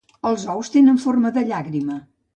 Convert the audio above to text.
Els ous tenen forma de llàgrima.